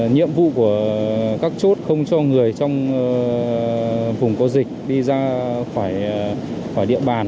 nhiệm vụ của các chốt không cho người trong vùng có dịch đi ra khỏi địa bàn